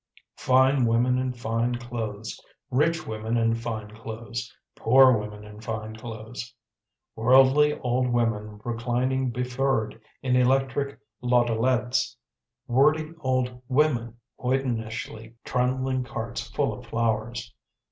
Fine women in fine clothes; rich women in fine clothes; poor women in fine clothes. Worldly old women, reclining befurred in electric landaulettes; wordy old women hoydenishly trundling carts full of flowers.